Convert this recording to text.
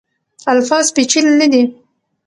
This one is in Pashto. الفاظ پیچلي نه دي.